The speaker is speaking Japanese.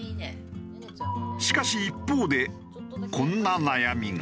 しかし一方でこんな悩みが。